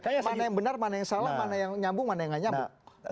mana yang benar mana yang salah mana yang nyambung mana yang gak nyambung